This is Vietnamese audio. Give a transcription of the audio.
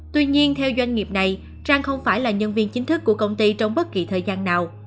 tuy nhiên theo doanh nghiệp này trang không phải là nhân viên chính thức của công ty trong bất kỳ thời gian nào